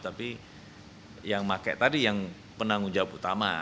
tapi yang pakai tadi yang penanggung jawab utama